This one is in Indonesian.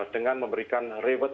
dengan memberikan reward